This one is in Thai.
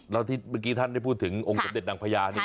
แล้วที่เมื่อกี้ท่านได้พูดถึงองค์สมเด็จนางพญานี่